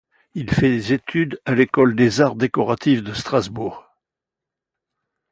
Il fait des études à l'école des Arts décoratifs de Strasbourg.